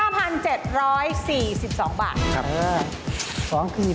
๔๒บาทครับครับครับ